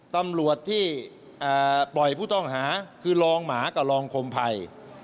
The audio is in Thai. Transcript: ตำรวจที่ปล่อยผู้ต้องหาคือรองหมากับรองคมภัย